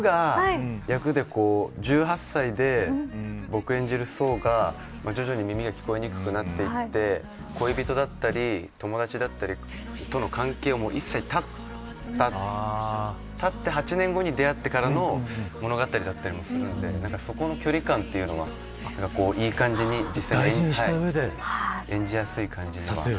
役で１８歳で僕演じる想が徐々に耳が聞こえにくくなっていって恋人だったり友達だったりとの関係を一切断って８年後に出会ってからの物語だったりもするのでそこの距離感はいい感じに実際に演じやすい感じですね。